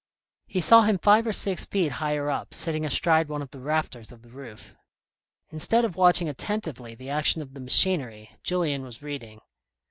He saw him five or six feet higher up, sitting astride one of the rafters of the roof. Instead of watching attentively the action of the machinery, Julien was reading.